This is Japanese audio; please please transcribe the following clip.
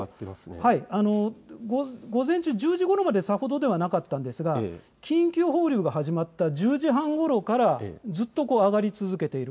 午前１０時半ごろまではなかったんですが緊急放流が始まった１０時半ごろからずっと上がり続けている。